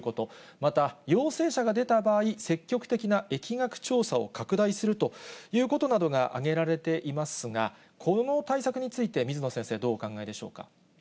また、陽性者が出た場合、積極的な疫学調査を拡大するということなどが挙げられていますが、この対策について、水野先生、どうお考えでしょうか。